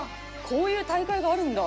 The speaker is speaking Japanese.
こういう大会があるんだ。